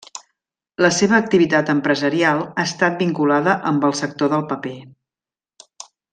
La seva activitat empresarial ha estat vinculada amb el sector del paper.